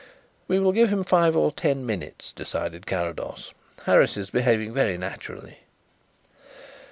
"We will give him five or ten minutes," decided Carrados. "Harris is behaving very naturally."